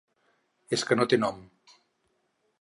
És que no té nom.